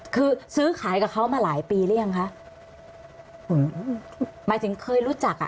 คือซื้อขายกับเขามาหลายปีหรือยังคะหมายถึงเคยรู้จักอ่ะ